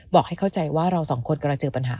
บอกให้เข้าใจว่าเราสองคนกำลังเจอปัญหา